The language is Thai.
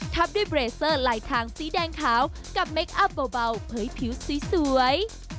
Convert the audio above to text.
ทับด้วยเบรเซอร์ลายทางสีแดงขาวกับเมคอัพเบาเผยผิวสวย